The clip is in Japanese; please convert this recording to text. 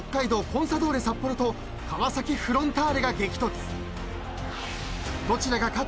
コンサドーレ札幌と川崎フロンターレが激突］